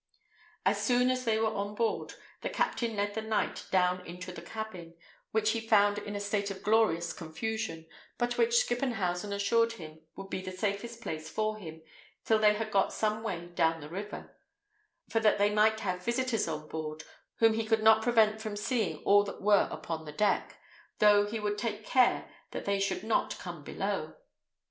As soon as they were on board, the captain led the knight down into the cabin, which he found in a state of glorious confusion, but which Skippenhausen assured him would be the safest place for him, till they had got some way down the river; for that they might have visiters on board, whom he could not prevent from seeing all that were upon the deck, though he would take care that they should not come below.